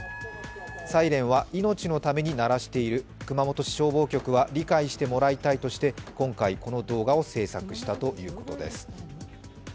サイレンは命のために鳴らしている熊本市消防局は理解してもらいたいとして今回、この動画を制作したということです。